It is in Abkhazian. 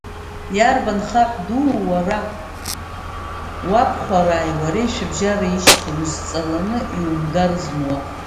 Иарбан хаҳә дуу уара уабхәарааи уареи шәыбжьара ишьҭоу, узҵаланы иумгар зымуа?